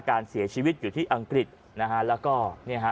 การเสียชีวิตอยู่ที่อังกฤษนะฮะแล้วก็เนี่ยฮะ